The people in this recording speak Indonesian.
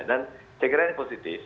dan saya kira ini positif